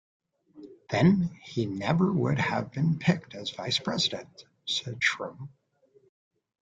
Then he never would have been picked as vice president, said Shrum.